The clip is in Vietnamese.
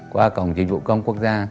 qua cổng dịch vụ công quốc gia